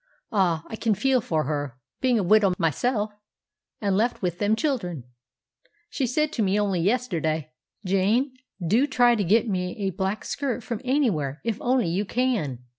Ah, I can feel for her, being a widow myself, and left with them children. She said to me on'y yesterday, 'Jane, do try to get me a black skirt from anywhere, if on'y you can.